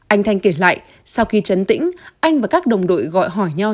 anh thanh kể lại sau khi chấn tĩnh anh và các đồng đội gọi hỏi nhau